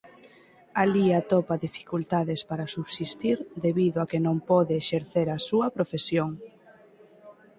Alí atopa dificultades para subsistir debido a que non pode exercer a súa profesión.